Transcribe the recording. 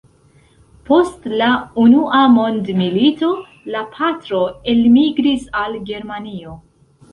Post la Unua mondmilito, la patro elmigris al Germanio.